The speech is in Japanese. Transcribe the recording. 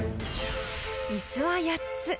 ［椅子は８つ］